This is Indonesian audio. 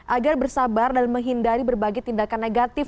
agar bersabar dan menghindari berbagai tindakan negatif